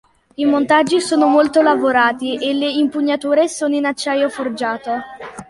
I montaggi sono molto lavorati e le impugnature sono in acciaio forgiato.